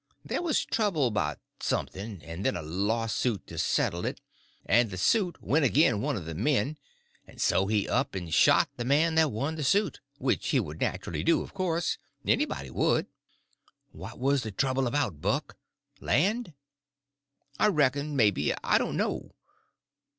There was trouble 'bout something, and then a lawsuit to settle it; and the suit went agin one of the men, and so he up and shot the man that won the suit—which he would naturally do, of course. Anybody would." "What was the trouble about, Buck?—land?" "I reckon maybe—I don't know."